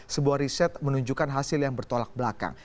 sebuah riset menunjukkan hasil yang bertolak belakang